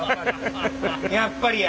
やっぱりや。